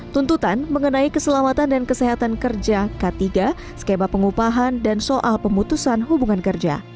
tuntutan mengenai keselamatan dan kesehatan kerja k tiga skema pengupahan dan soal pemutusan hubungan kerja